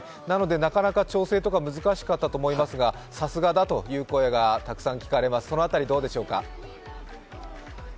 なのでなかなか調整とか難しかったと思いますがさすがだという声がたくさん聞かれます、その辺りどうでしょうか？